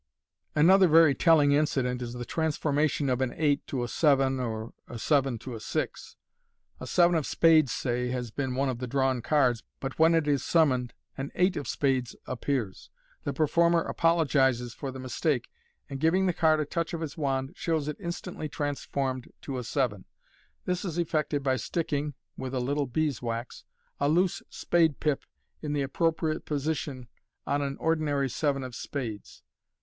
Another very telling incident is the transformation of an eight to a seven, or a seven to a six. A seven of spades, say, has been one of the drawn cards, but when it is summoned an eight of spades appears. The performer apologizes for the mistake, and, giving the card a touch of his wand, shows it instantly transformed to a seven. This is effected by sticking (with a little bees' wax) a loose spade pip in the appropriate position on an ordinary seven of spades.